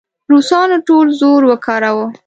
روسانو ټول زور وکاراوه.